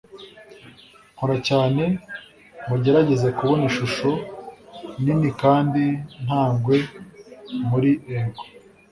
nkora cyane mugerageza kubona ishusho nini kandi ntagwe muri ego